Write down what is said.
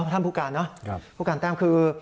ท่านผู้การเนอะผู้การแต้มคือ